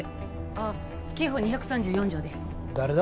ああ刑法２３４条です誰だ？